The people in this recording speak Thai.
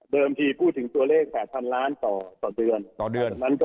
เดิมที่พูดถึงตัวเลข๘พันล้านต่อเดือน